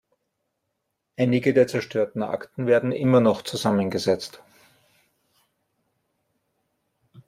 Einige der zerstörten Akten werden immer noch zusammengesetzt.